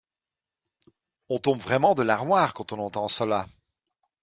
On tombe vraiment de l’armoire quand on entend cela